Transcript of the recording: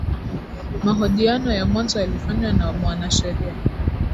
mahojiano ya mwanzo yalifanywa na mwanasheria